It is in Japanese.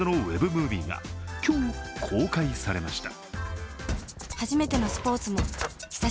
ムービーが今日、公開されました。